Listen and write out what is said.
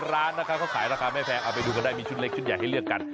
ร้านนะครับเขาขายราคาไม่แพงเอาไปดูกันได้มีชุดเล็กชุดใหญ่ให้เลือกกัน